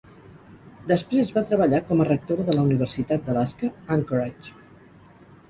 Després va treballar com a rectora de la Universitat d"Alaska, Anchorage.